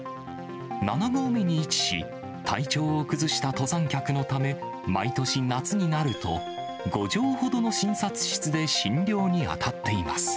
７合目に位置し、体調を崩した登山客のため、毎年、夏になると、５畳ほどの診察室で診療に当たっています。